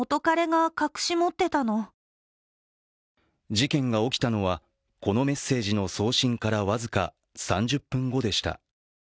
事件が起きたのは、このメッセージの送信から僅か３０分後でした。